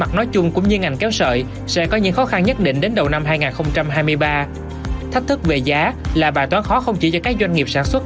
thách thức về giá là bài toán khó không chỉ cho các doanh nghiệp sản xuất